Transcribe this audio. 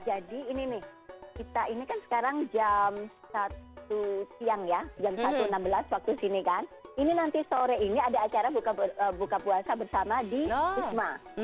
jadi ini nih kita ini kan sekarang jam satu siang ya jam satu enam belas waktu sini kan ini nanti sore ini ada acara buka puasa bersama di isma